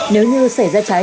nếu như xảy ra cháy